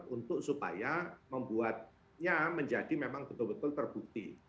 untuk supaya membuatnya menjadi memang betul betul terbukti